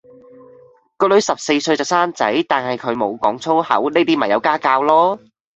個女十四歲就生仔，但係佢無講粗口，呢啲咪有家教囉